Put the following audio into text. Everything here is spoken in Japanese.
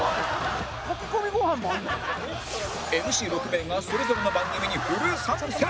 ＭＣ６ 名がそれぞれの番組にフル参戦！